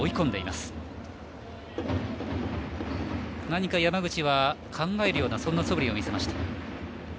何か山口は考えるようなそぶりを見せました。